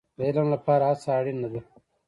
د علم لپاره هڅه اړین ده